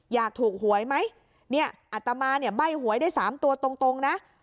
อยากถูกหวยไหมเนี่ยอัตมาเนี่ยใบ้หวยได้๓ตัวตรงนะ